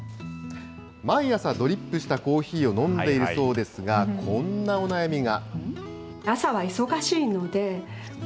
毎朝ドリップしたコーヒーを飲んでいるそうですが、こんなお悩みが。